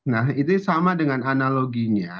nah itu sama dengan analoginya